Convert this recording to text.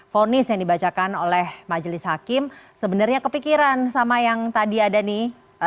fonis yang dibacakan oleh majelis hakim sebenarnya kepikiran sama yang tadi ada nih